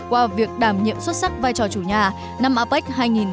qua việc đảm nhiệm xuất sắc vai trò chủ nhà năm apec hai nghìn một mươi bảy